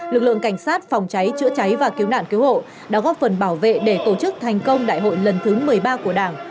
lực lượng cảnh sát phòng cháy chữa cháy và cứu nạn cứu hộ đã góp phần bảo vệ để tổ chức thành công đại hội lần thứ một mươi ba của đảng